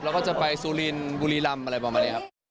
แล้วก็จะไปซูลินบุรีรำอะไรประมาณนี้ครับ